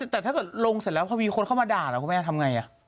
แต่ถ้าเกิดลงเสร็จแล้วพอมีคนเข้ามาด่าล่ะคุณแม่ทำไง